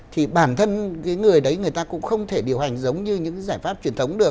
thì bản thân cái người đấy người ta cũng không thể điều hành giống như những giải pháp truyền thống được